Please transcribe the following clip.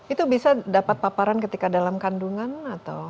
itu bisa dapat paparan ketika dalam kandungan atau